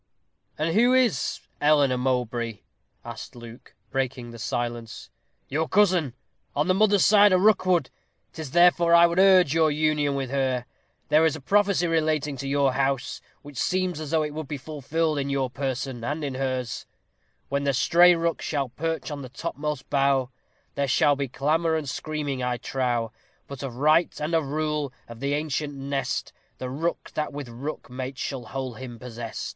"And who is Eleanor Mowbray?" asked Luke, breaking the silence. "Your cousin. On the mother's side a Rookwood. 'Tis therefore I would urge your union with her. There is a prophecy relating to your house, which seems as though it would be fulfilled in your person and in hers: When the stray Rook shall perch on the topmost bough, There shall be clamor and screaming, I trow; But of right, and of rule, of the ancient nest, The Rook that with Rook mates shall hold him possest."